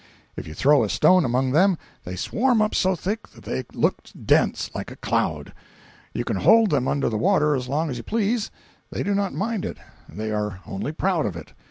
If you throw a stone among them, they swarm up so thick that they look dense, like a cloud. You can hold them under water as long as you please—they do not mind it—they are only proud of it.